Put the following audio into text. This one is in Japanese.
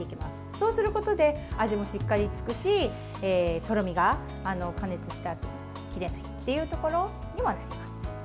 そうすることで味もしっかりつくしとろみが、加熱したあとにきれないということにもなります。